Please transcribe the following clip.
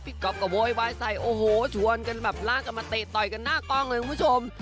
ก๊อฟก็โวยวายใส่โอ้โหชวนกันแบบลากกันมาเตะต่อยกันหน้ากล้องเลยคุณผู้ชม